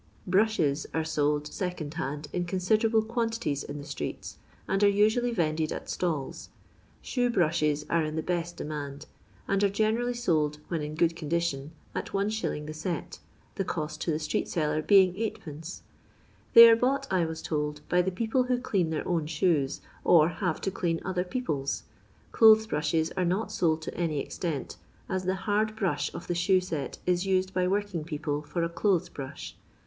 Jit'HsUs are sold second hand in considerable quantities in the streets, and are usually vended at stalls. Shoe brushes are in the best demand, and are generally sold, when in good condition, at Is. the set, the cost to the street seller being 8(/. They are bought, I was told, by the people who clean their own shoes, or have to dean other people's. Olothes' brushes ore not sold to any extent, as the " hard brush" of the shoe set is used by working people for a clothes' brush.